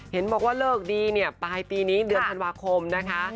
เห็นบอกว่าเลิกดีเนี่ยปลายปีนี้เดือนธันวาคมนะคะ